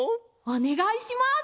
おねがいします！